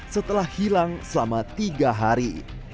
setelah hilang selama tiga hari